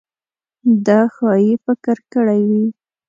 ده ښايي فکر کړی وي.